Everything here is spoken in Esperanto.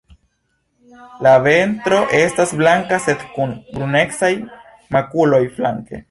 La ventro estas blanka sed kun brunecaj makuloj flanke.